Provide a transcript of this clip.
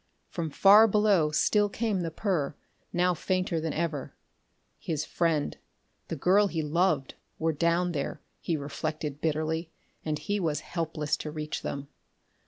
From far below still came the purr, now fainter than ever. His friend, the girl he loved, were down there, he reflected bitterly, and he was helpless to reach them.